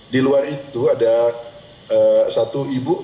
di luar itu ada satu ibu